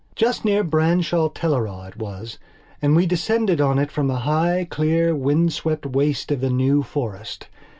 Just near Branshaw Teleragh it was and we descended on it from the high, clear, windswept waste of the New Forest.